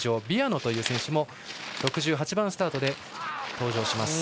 ビアノという選手も６８番スタートで登場。